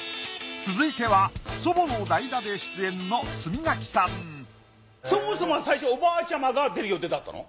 続いては祖母の代打で出演のそもそもは最初おばあちゃまが出る予定だったの？